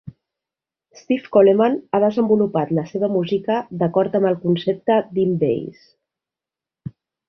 Steve Coleman ha desenvolupat la seva música d'acord amb el concepte d'M-Base.